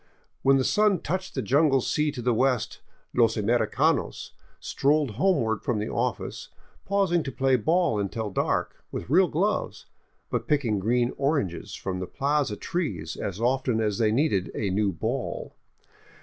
When the sun touched the jungle sea to the west " los americanos " strolled homeward from the office, pausing to play ball until dark, with real gloves, but picking green oranges from the plaza trees as often as they needed a new " ball."